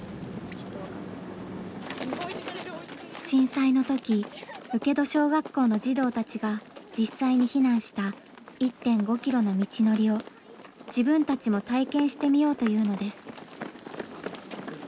震災の時請戸小学校の児童たちが実際に避難した１．５キロの道のりを自分たちも体験してみようというのです。